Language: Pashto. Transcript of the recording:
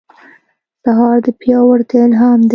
سهار د پیاوړتیا الهام دی.